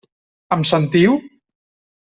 Em sentiu?